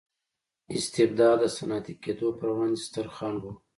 استبداد د صنعتي کېدو پروړاندې ستر خنډ و.